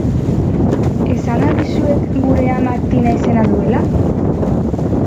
Esan al dizuet gure amak Tina izena duela?